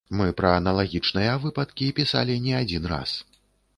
Мы пра аналагічныя выпадкі пісалі не адзін раз.